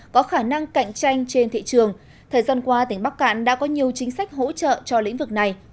có khả năng cạnh tranh trên thị trường thời gian qua tỉnh bắc cạn đã có nhiều chính sách hỗ trợ cho lĩnh vực này